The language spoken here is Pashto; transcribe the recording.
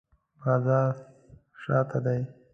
بازار شاته دی